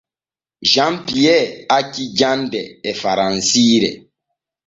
Jean Pierre acci jande e faransiire.